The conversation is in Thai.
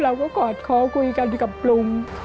เราก็กอดคอคุยกันด้วยกับลุง